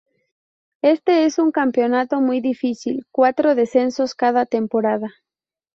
Este es un campeonato muy difícil: cuatro descensos cada temporada.